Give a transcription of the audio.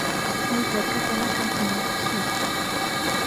Muy cerca está la Campiña Sur.